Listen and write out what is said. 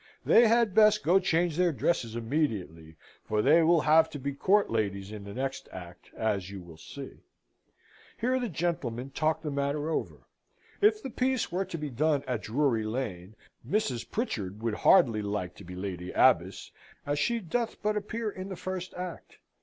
They had best go change their dresses immediately, for they will have to be court ladies in the next act as you will see." Here the gentlemen talked the matter over. If the piece were to be done at Drury Lane, Mrs. Pritchard would hardly like to be Lady Abbess, as she doth but appear in the first act.